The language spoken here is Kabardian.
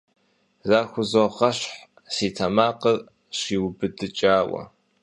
Захузогъэщхъ, си тэмакъыр щиубыдыкӀауэ.